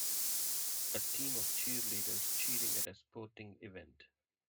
a team of cheerleaders cheering at a sporting event.